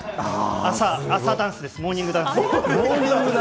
朝ダンスです、モーニモーニングダンス？